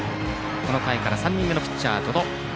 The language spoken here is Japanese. この回から３人目のピッチャー、百々。